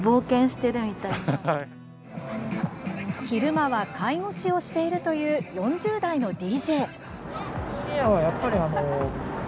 昼間は介護士をしているという４０代の ＤＪ。